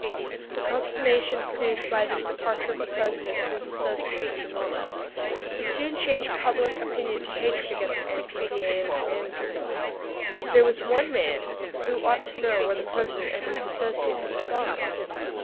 The consternation produced by this departure of the President and his associate was enormous. It soon changed public opinion to hatred against the N.P.P.A. and its managers. But there was one man who ought to know where the President and his associate had gone.